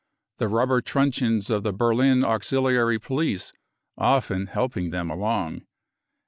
the rubber truncheons of the Berlin\uxiliary police often helping them along."